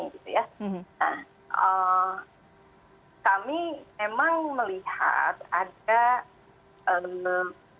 nah kami memang melihat ada foto dan video